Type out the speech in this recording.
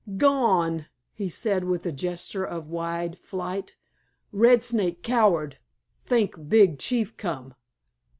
"Gone!" he said with a gesture of wide flight, "Red Snake coward. Think Big Chief come."